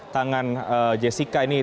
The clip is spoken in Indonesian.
tangan jessica ini